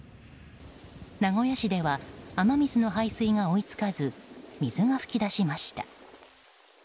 名古屋市では雨水の排水が追い付かず水が噴き出しました。